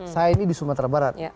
saya ini di sumatera barat